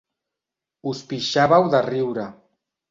Us pixàveu de riure.